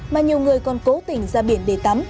mà nhiều người còn cố tình ra biển để tắm